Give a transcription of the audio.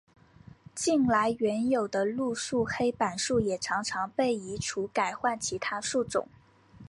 近来原有的路树黑板树也常常被移除改换其他树种。